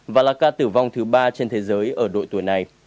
và là ca tử vong thứ ba trên thế giới ở đội tuổi này